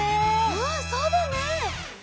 うんそうだね。